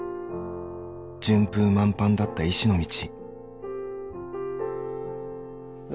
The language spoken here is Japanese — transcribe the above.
順風満帆だった医師の道。